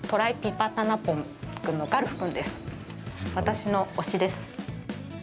私の推しです。